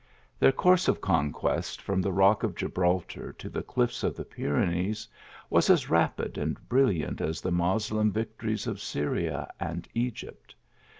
Their course of conquest from the rock of Gibraltar to the cliffs of the Pyrenees, was as rapid and brilliant as the Moslem victories of Syria and Egypt.